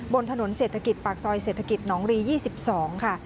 บนถนนเศรษฐกิจปากซอยเศรษฐกิจหนองรี๒๒ค่ะ